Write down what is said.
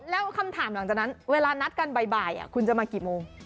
แล้วคำถามหลังจากนั้นเวลานัดกันบ่ายคุณจะมากี่โมง